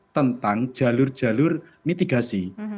tentang jalur jalur mitigasi